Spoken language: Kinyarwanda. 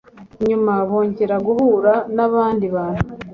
nyuma bongera guhura n'abandi bantu